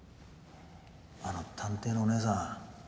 あの探偵のおねえさん